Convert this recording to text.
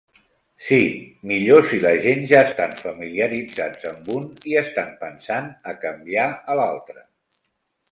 Si, millor si la gent ja estan familiaritzats amb un i estan pensant a canviar a l'altre.